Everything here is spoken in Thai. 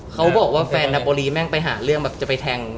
เขาบอกว่าแฟนนโบรีแม่งไปหาเรื่องแบบจะไปแทง